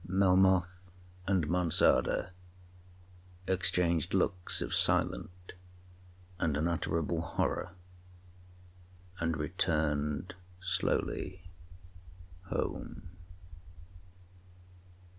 Melmoth and Monçada exchanged looks of silent and unutterable horror, and returned slowly home.